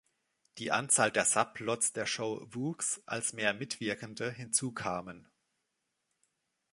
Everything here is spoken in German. Die Anzahl der Subplots der Show wuchs, als mehr Mitwirkende hinzukamen.